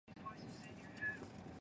陡峭的峡谷壁几乎没有植被。